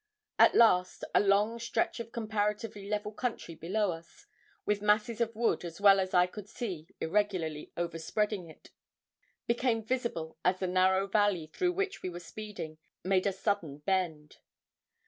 At last, a long stretch of comparatively level country below us, with masses of wood as well as I could see irregularly overspreading it, became visible as the narrow valley through which we were speeding made a sudden bend.